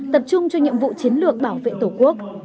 tập trung cho nhiệm vụ chiến lược bảo vệ tổ quốc